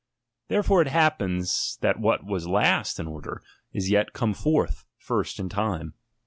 Therefore it happens, that what was last in order, is yet come forth first in time.